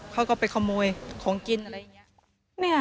เขาก็ไปขโมยของกินอะไรอย่างนี้